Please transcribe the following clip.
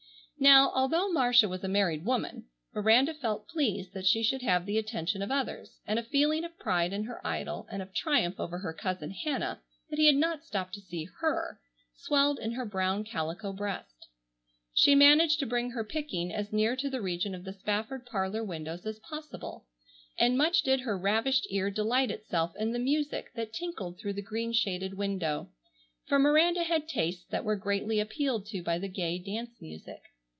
Now, although Marcia was a married woman, Miranda felt pleased that she should have the attention of others, and a feeling of pride in her idol, and of triumph over her cousin Hannah that he had not stopped to see her, swelled in her brown calico breast. She managed to bring her picking as near to the region of the Spafford parlor windows as possible, and much did her ravished ear delight itself in the music that tinkled through the green shaded window, for Miranda had tastes that were greatly appealed to by the gay dance music.